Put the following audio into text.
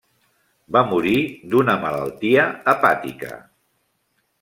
Va morir d'una malaltia hepàtica.